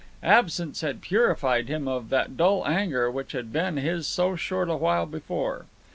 Absence had purified him of that dull anger which had been his so short a while before.